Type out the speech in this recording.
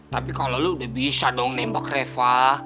tapi kalau lu udah bisa dong nembak reva